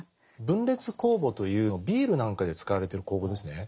分裂酵母というビールなんかで使われてる酵母ですね。